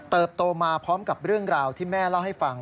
โตมาพร้อมกับเรื่องราวที่แม่เล่าให้ฟัง